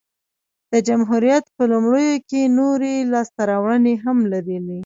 د جمهوریت په لومړیو کې نورې لاسته راوړنې هم لرلې